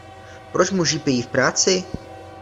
Proč muži pijí v práci?